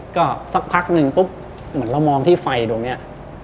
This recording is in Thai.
ก็สักพักหนึ่งปุ๊บเหมือนเรามองที่ไฟตรงนี้